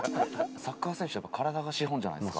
サッカー選手は体が資本じゃないですか。